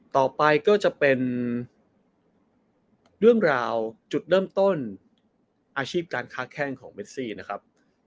ต่อไปก็จะเป็นเรื่องราวจุดเริ่มต้นอาชีพการค้าแข้งของเมซี่นะครับ